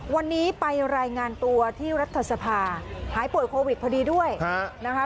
วันนี้ไปรายงานตัวที่รัฐสภาหายป่วยโควิดพอดีด้วยนะคะ